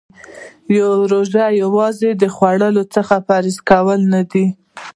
روژه یوازې د خوړو څخه پرهیز کول نه دی .